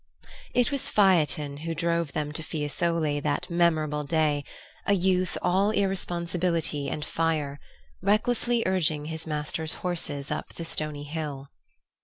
It was Phaethon who drove them to Fiesole that memorable day, a youth all irresponsibility and fire, recklessly urging his master's horses up the stony hill.